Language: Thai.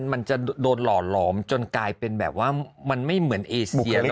มันจะโดนหล่อหลอมจนกลายเป็นแบบว่ามันไม่เหมือนเอเซียเลย